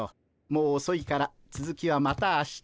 もうおそいからつづきはまた明日に。